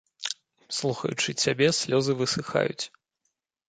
Слухаючы цябе, слёзы высыхаюць.